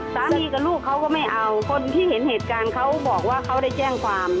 สามีกับลูกเขาก็ไม่เอาคนที่เห็นเหตุการณ์เขาบอกว่าเขาได้แจ้งความ